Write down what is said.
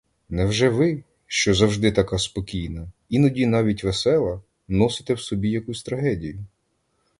Невже ви, що завжди така спокійна, іноді навіть весела, носите в собі якусь трагедію?